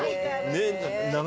ねえ